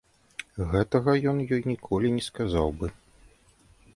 Гэтага ён ёй раней ніколі не сказаў бы.